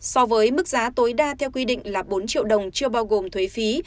so với mức giá tối đa theo quy định là bốn triệu đồng chưa bao gồm thuế phí